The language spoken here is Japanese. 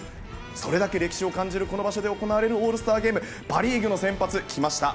それだけ歴史を感じるこの場所で行われるオールスターゲームパ・リーグの先発きました。